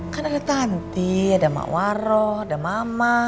kan ada tanti ada mak waro ada mama